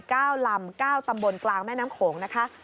เก้าลำเก้าตำบลกลางแม่น้ำโขงนะคะ